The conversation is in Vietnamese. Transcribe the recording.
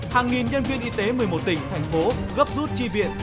hàng nghìn nhân viên y tế một mươi một tỉnh thành phố gấp rút chi viện